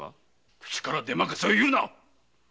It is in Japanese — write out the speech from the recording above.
口から出まかせを言うな！